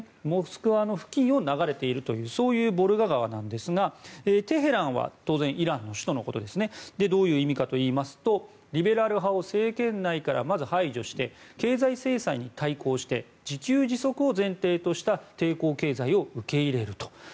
モスクワの付近を流れているそういうボルガ川ですがテヘランはイランの首都のことでどういう意味かといいますとリベラル派を政権内からまず排除して経済制裁に対抗して自給自足を前提とした抵抗経済を受け入れると。